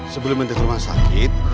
sebelum nanti ke rumah sakit